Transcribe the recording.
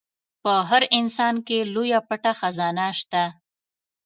په هر انسان کې لويه پټه خزانه شته.